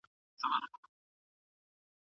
چيري د کار او هڅي پایلي ژر تر ژره لاسته راځي؟